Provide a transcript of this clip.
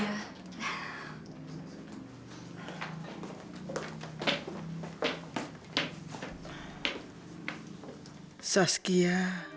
aku selalu bermimpi melihatmu seperti ini